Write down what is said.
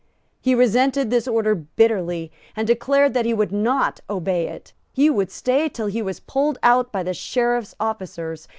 He resented this order bitterly, and declared that he would not obey it. He would stay till he was pulled out by the Sheriff's officers.